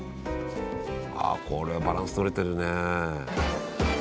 ああこれバランス取れてるね。